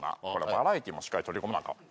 バラエティーもしっかり取り込まなアカン